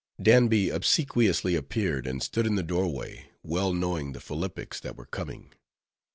Danby obsequiously appeared, and stood in the doorway, well knowing the philippics that were coming.